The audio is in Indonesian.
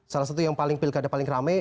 salah satu yang paling pilkada paling rame